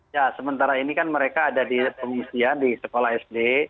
ya sementara ini kan mereka ada di pengungsian di sekolah sd